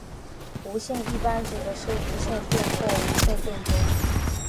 无线一般指的是无线电或无线电波。